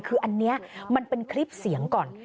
คืออันนี้มันเป็นคลิปเสียงก่อน